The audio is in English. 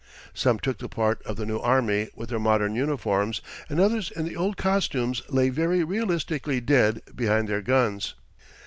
Some took the part of the new army with their modern uniforms, and others in the old costumes lay very realistically dead behind their guns.